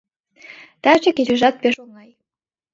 Таче кечыжат пеш оҥай...